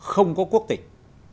không có quốc tịch